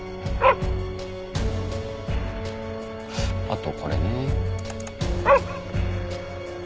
あとこれね。